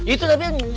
itu udah biar